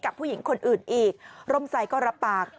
ผู้หญิงคนอื่นอีกร่มใส่ก็รับปาก